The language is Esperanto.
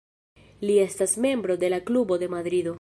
Li estas membro de la Klubo de Madrido.